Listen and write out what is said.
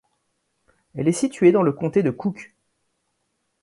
Elle est située dans le comté de Cook.